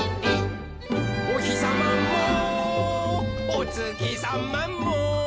「おひさまもおつきさまも」